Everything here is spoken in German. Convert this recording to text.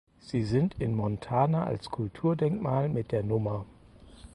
Sie sind in Montana als Kulturdenkmal mit der Nr.